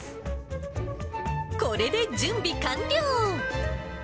これで準備完了。